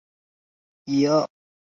蒙希圣埃卢瓦。